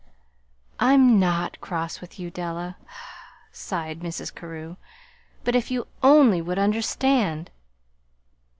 "I'm not cross with you, Della," sighed Mrs. Carew; "but if you only would understand!"